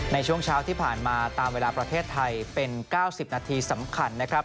ในช่วงเช้าที่ผ่านมาตามเวลาประเทศไทยเป็น๙๐นาทีสำคัญนะครับ